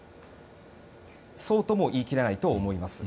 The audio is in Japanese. そうとも言い切れないと思います。